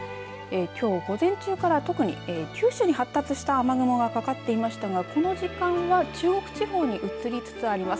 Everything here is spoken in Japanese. きょう午前中から特に九州に発達した雨雲がかかっていましたが、この時間は中国地方に移りつつあります。